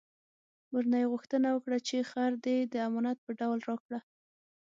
ورنه یې غوښتنه وکړه چې خر دې د امانت په ډول راکړه.